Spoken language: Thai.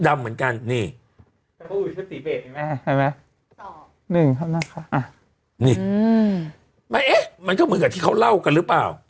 ดำเหมือนกันนี่มันก็เหมือนกับที่เขาเล่ากันหรือเปล่า